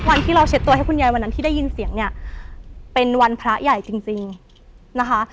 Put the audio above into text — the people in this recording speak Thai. วันที่เราเช็ดตัวให้คุณยายวันนั้นที่ได้ยินเสียงเนี่ยเป็นวันพระใหญ่จริงจริงนะคะ